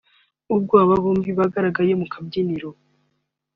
ubwo aba bombi bagaragaye mu kabyiniro